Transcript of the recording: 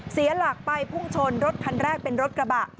เสียหลักไปพุ่งชนรถคันแรกเป็นรถกระบะ